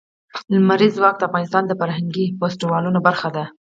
لمریز ځواک د افغانستان د فرهنګي فستیوالونو برخه ده.